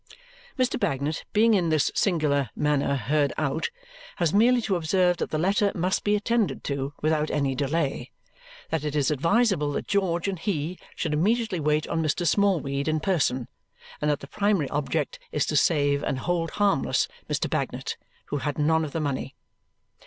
Mr. Bagnet, being in this singular manner heard out, has merely to observe that the letter must be attended to without any delay, that it is advisable that George and he should immediately wait on Mr. Smallweed in person, and that the primary object is to save and hold harmless Mr. Bagnet, who had none of the money.